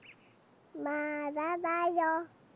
まだだよ！